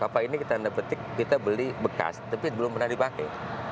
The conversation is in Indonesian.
apa ini tanda petik kita beli bekas tapi belum pernah dipakai